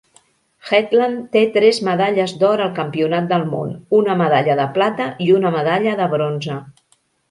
Hetland té tres medalles d"or al Campionat del món, una medalla de plata i una medalla de bronze.